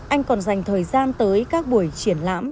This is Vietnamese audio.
anh còn dành thời gian tới các buổi triển lãm